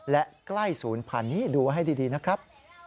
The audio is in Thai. และใกล้ศูนย์พันธุ์นี้ดูให้ดีนะครับ